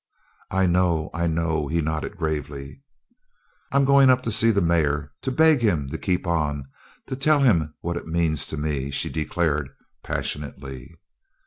"I know I know," he nodded gravely. "I'm going up to see the mayor to beg him to keep on to tell him what it means to me!" she declared passionately.